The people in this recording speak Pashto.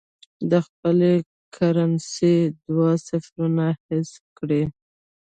د خپلې کرنسۍ دوه صفرونه حذف کړي.